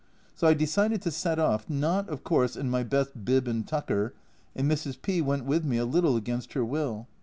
So I decided to set off, not, of course, in my best bib and tucker, and Mrs. P went with me, a little against her will.